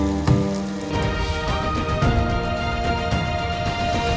dengan menjaga kelestarian air kita bisa mengurangi risiko kepunahannya untuk anak cucu kelak